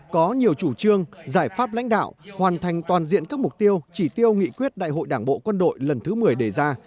có nhiều chủ trương giải pháp lãnh đạo hoàn thành toàn diện các mục tiêu chỉ tiêu nghị quyết đại hội đảng bộ quân đội lần thứ một mươi đề ra